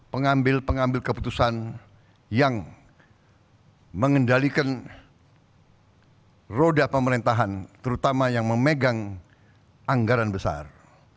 pengambil pengambil keputusan yang mengendalikan roda pemerintahan terutama yang memegang anggaran besar